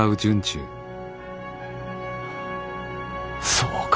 そうか。